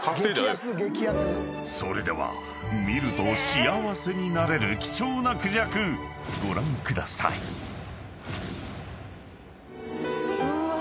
［それでは見ると幸せになれる貴重なクジャクご覧ください］うわ！